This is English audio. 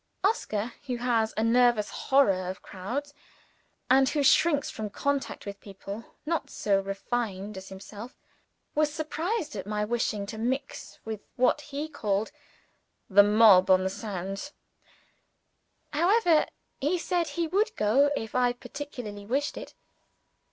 Oscar, who has a nervous horror of crowds, and who shrinks from contact with people not so refined as himself, was surprised at my wishing to mix with what he called "the mob on the sands." However, he said he would go, if I particularly wished it.